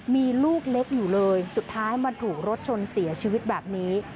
มีลูกเล็กอยู่เลยสุดท้ายมาถูกรถชนเสียชีวิตแบบนี้